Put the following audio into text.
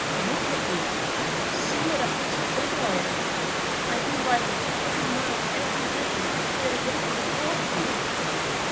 Look at me; see what a hunted devil I am; I've been riding thirty miles every day to get away from the thought of you."